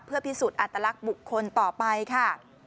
เพื่อพิสูจน์อัตลักษณ์บุคคลต่อไปค่ะ